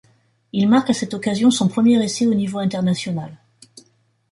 Il marque à cette occasion son premier essai au niveau international.